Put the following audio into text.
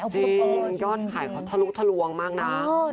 จริงยอดขายของทะลุกทะลวงมากนะ